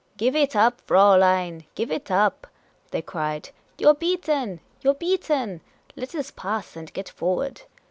" Give it up! Fraulein, give it up !" they cried. " You 're beaten. You 're beaten ! I,et us pass and get forward